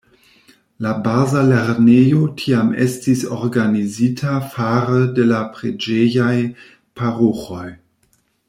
La baza lernejo tiam estis organizita fare de la preĝejaj paroĥoj.